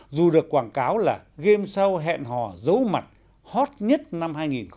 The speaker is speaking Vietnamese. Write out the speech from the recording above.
dù được quảng cáo là game sao hẹn hò dấu mặt hot nhất năm hai nghìn một mươi chín